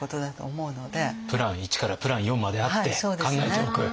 プラン１からプラン４まであって考えておく。